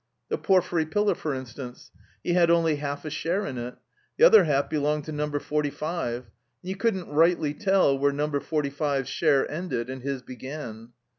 The porphyry pillar for instance; he had only half a share in it ; the other half belonged to Number Forty five; and you couldn't rightly tell where Number Forty five's share ended and his began.